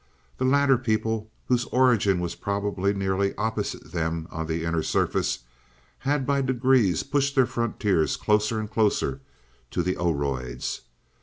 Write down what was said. The latter people, whose origin was probably nearly opposite them on the inner surface, had by degrees pushed their frontiers closer and closer to the Oroids.